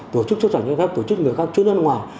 tổ chức xuất cảnh chế phép tổ chức người khác chuyến ra ngoài